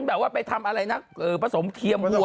แบบว่าไปทำอะไรนะผสมเทียมวัว